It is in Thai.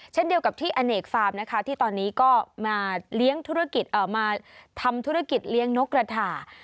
เช่นเดียวกับที่อเนกฟาร์มนะคะที่ตอนนี้ก็มาทำธุรกิจเลี้ยงนกกระถา